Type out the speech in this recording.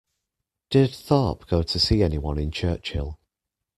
Did Thorpe go to see any one in Churchill.